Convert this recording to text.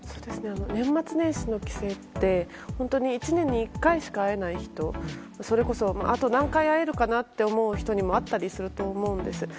年末年始の帰省って本当に１年に１回しか会えない人、それこそあと何回会えるかなって思う人にもあったりすると思うんです。